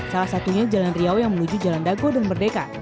salah satunya jalan riau yang menuju jalan dago dan merdeka